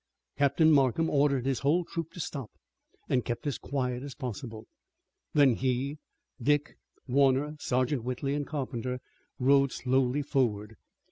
Captain Markham ordered his whole troop to stop and keep as quiet as possible. Then he, Dick, Warner, Sergeant Whitley and Carpenter rode slowly forward.